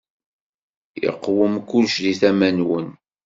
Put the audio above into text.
Iqwem kullec di tama-nwen.